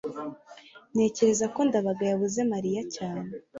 ntekereza ko ndabaga yabuze mariya cyane